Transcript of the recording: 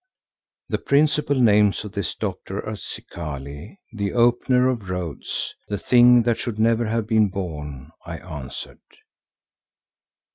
"The principal names of this doctor are Zikali, the Opener of Roads, the 'Thing that should never have been born,'" I answered.